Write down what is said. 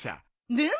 でも。